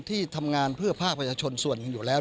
ที่ทำงานเพื่อภาคประชาชนส่วนหนึ่งอยู่แล้ว